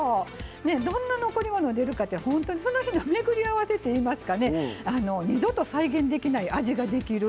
どんな残り物出るかってその日のめぐり合わせっていいますかね二度と再現できない味ができる。